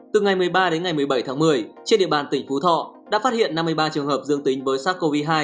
từ ngày một mươi ba đến ngày một mươi bảy tháng một mươi trên địa bàn tỉnh phú thọ đã phát hiện năm mươi ba trường hợp dương tính với sars cov hai